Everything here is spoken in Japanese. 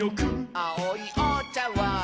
「あおいおちゃわん」